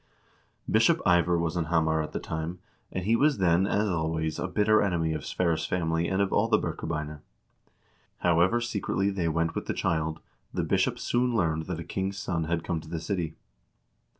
Bishop Ivar was in Hamar at the time, and he was then as always a bitter enemy of Sverre's family and of all the Birkebeiner. However secretly they went with the child, the bishop soon learned that a king's son had come to the city.